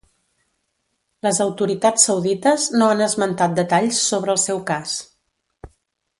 Les autoritats saudites no han esmentat detalls sobre el seu cas.